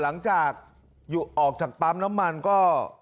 หลังจากออกจากปั๊มน้ำมันก็